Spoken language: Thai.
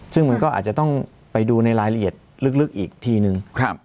ซึ่งมันก็อาจจะต้องไปดูในรายละเอียดลึกอีกทีนึง